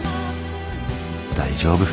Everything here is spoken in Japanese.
大丈夫。